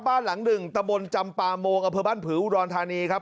บ้านหลังหนึ่งตะบนจำปาโมงอำเภอบ้านผืออุดรธานีครับ